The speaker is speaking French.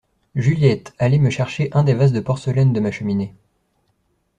Juliette, allez me chercher un des vases de porcelaine de ma cheminée.